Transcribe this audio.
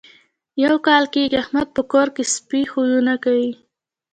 یو کال کېږي احمد په کور کې سپي خویونه کوي.